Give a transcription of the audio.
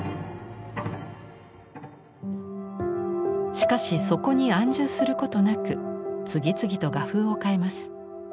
しかしそこに安住することなく次々と画風を変えます。